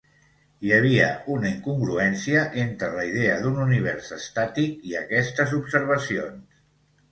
Hi havia una incongruència entre la idea d'un univers estàtic i aquestes observacions.